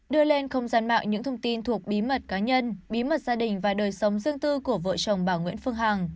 đưa lên không gian mạng những thông tin thuộc bí mật cá nhân bí mật gia đình và đời sống riêng tư của vợ chồng bà nguyễn phương hằng